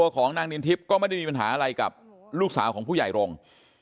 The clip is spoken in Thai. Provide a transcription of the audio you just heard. ของนางนินทิพย์ก็ไม่ได้มีปัญหาอะไรกับลูกสาวของผู้ใหญ่รงค์